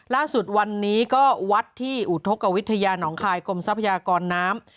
ล่าสุดวันนี้ก็วัดที่อุทธกวิทยาน้องคายกรมทรัพยากรน้ำ